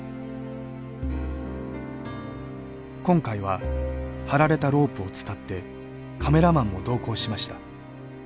今回は張られたロープを伝ってカメラマンも同行しました。